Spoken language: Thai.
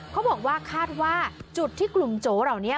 เขาบอกว่าคาดว่าจุดที่กลุ่มโจเหล่านี้